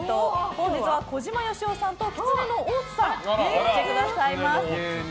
本日は小島よしおさんときつねの大津さんが来てくださいます。